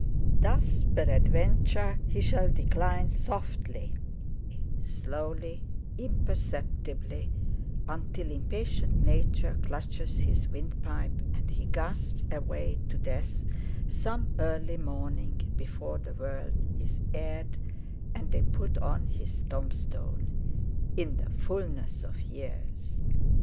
Thus peradventure he shall decline softly, slowly, imperceptibly, until impatient Nature clutches his wind pipe and he gasps away to death some early morning before the world is aired, and they put on his tombstone: "In the fulness of years!"